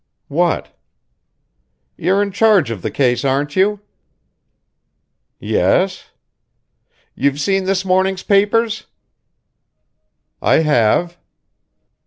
"What?" "You're in charge of the case, aren't you?" "Yes." "You've seen this morning's papers?" "I have."